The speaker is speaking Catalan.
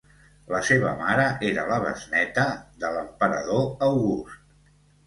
La seva mare era la besnéta de l'emperador August.